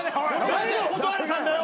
誰が蛍原さんだよ！